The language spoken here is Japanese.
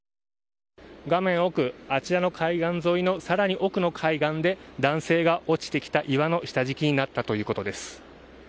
画面奥、あちらの海岸沿いの更に奥の海岸で男性が落ちてきた岩の下敷きになったということです。